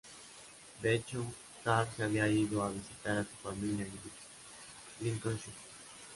De hecho, Carr se había ido a visitar a su familia en Grimsby, Lincolnshire.